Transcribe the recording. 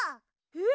え？